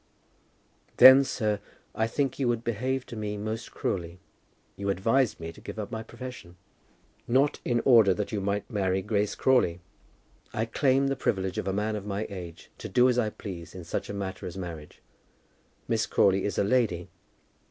"Then, sir, I think you would behave to me most cruelly. You advised me to give up my profession." "Not in order that you might marry Grace Crawley." "I claim the privilege of a man of my age to do as I please in such a matter as marriage. Miss Crawley is a lady.